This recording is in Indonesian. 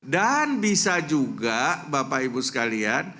dan bisa juga bapak ibu sekalian